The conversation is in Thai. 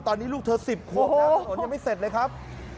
ตอนนี้ลูกเธอ๑๐ขวบแล้วถนนยังไม่เสร็จเลยครับ